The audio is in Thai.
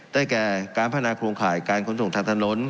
แก่การพัฒนาโครงข่ายการขนส่งทางถนน